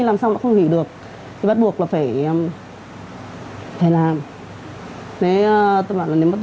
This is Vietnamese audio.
mạng xã hội để bối xấu